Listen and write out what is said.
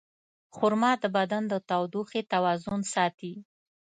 خرما د بدن د تودوخې توازن ساتي.